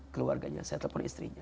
keluarganya saya telepon istrinya